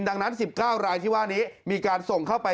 ดังนั้น๑๙รายที่ว่านี้มีการส่งเข้าไป